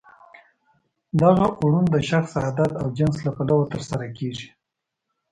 دغه اوړون د شخص، عدد او جنس له پلوه ترسره کیږي.